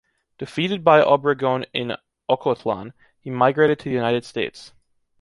Defeated by Obregón in Ocotlán, he migrated to the United States.